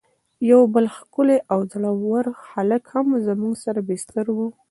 یو بل ښکلی او زړه ور هلک هم زموږ سره بستر و.